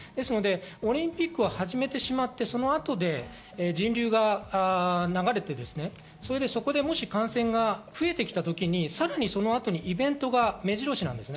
オリンピックを始めてしまって、その後で人流が起きて、そこでもし感染が増えてきた時にさらにイベントがめじろ押しなんです。